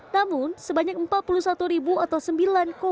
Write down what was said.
namun sebanyak empat puluh satu ribu atau sembilan